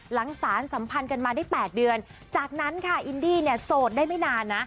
สารสัมพันธ์กันมาได้๘เดือนจากนั้นค่ะอินดี้เนี่ยโสดได้ไม่นานนะ